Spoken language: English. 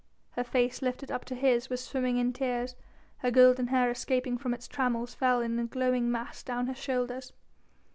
Her face, lifted up to his, was swimming in tears, her golden hair escaping from its trammels fell in a glowing mass down her shoulders.